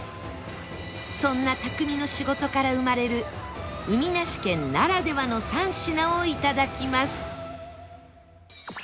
そんな匠の仕事から生まれる海なし県ならではの３品をいただきます